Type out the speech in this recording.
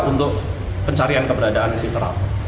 untuk pencarian keberadaan terlapor